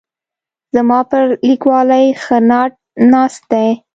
زما پر لیکوالۍ ښه ناټ ناست دی.